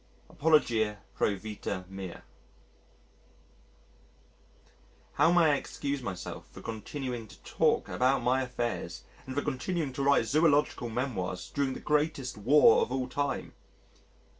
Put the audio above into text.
Apologia pro vita mea How may I excuse myself for continuing to talk about my affairs and for continuing to write zoological memoirs during the greatest War of all time?